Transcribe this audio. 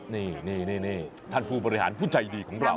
นี่ท่านผู้บริหารผู้ใจดีของเรา